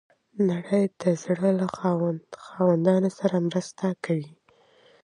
نړۍ د زړه له خاوندانو سره مرسته کوي.